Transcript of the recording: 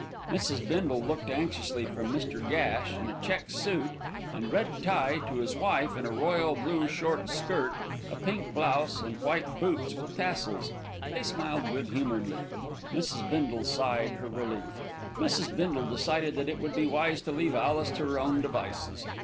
Mrs. Bindle looked anxiously from Mr. Gash, in a check suit and red tie, to his wife in a royal blue short skirt, a pink blouse and white boots with tassels. They smiled good humouredly. Mrs. Bindle sighed her relief. Mrs. Bindle decided that it would be wise to leave Alice to her own devices.